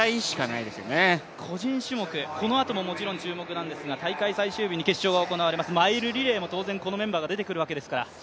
個人種目、このあとも注目なんですが大会最終日に決勝が行われます、マイルリレーも当然、このメンバーが出てくるわけですから。